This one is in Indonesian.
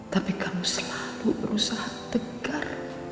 tapi kamu selalu berusaha tegar